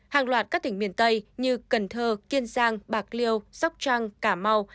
hàng loạt các tỉnh miền tây như cần thơ kiên giang bạc liêu sóc trăng cà mau